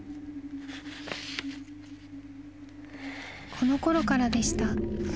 ［このころからでした］